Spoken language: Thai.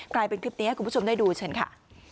กลายเป็นคลิปนี้ให้คุณผู้ชมได้ดูเชิญค่ะ